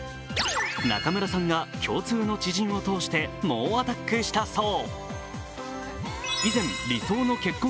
中村さんが共通の知人を通じて猛アタックしたそう。